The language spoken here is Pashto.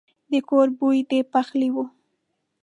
د کور بوی د پخلي وو.